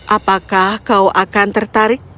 apakah kau akan tertarik